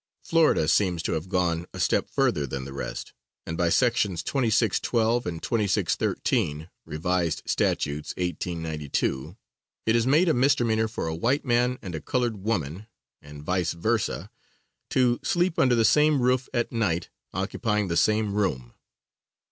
Florida seems to have gone a step further than the rest, and by sections 2612 and 2613, Revised Statutes, 1892, it is made a misdemeanor for a white man and a colored woman, and vice versa, to sleep under the same roof at night, occupying the same room.